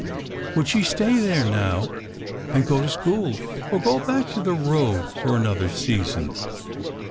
Would she stay there, now, and go to school, or go back to the road for another season?